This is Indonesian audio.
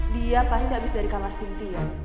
dia pasti habis dari kamar sinti ya